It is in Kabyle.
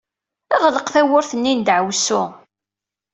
Ɣleq tawwurt-nni n ddeɛwessu!